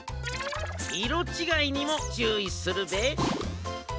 いろちがいにもちゅういするべえ。